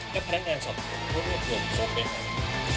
แล้วพนักงานสอบความเป็นอะไร